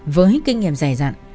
với kinh nghiệm dài dặn